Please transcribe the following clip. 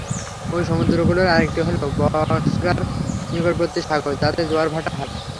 ঐ সমুদ্রগুলোর আরেকটি হলো বসরার নিকটবর্তী সাগর, যাতে জোয়ার-ভাটা হয়।